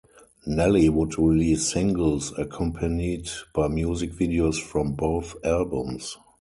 Nelly would release singles accompanied by music videos from both albums.